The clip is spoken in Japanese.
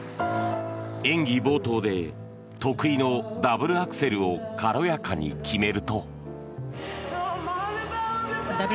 演技冒頭で得意のダブルアクセルを軽やかに決めると。